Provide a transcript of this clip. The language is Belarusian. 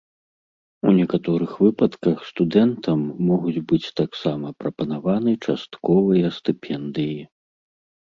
У некаторых выпадках студэнтам могуць быць таксама прапанаваны частковыя стыпендыі.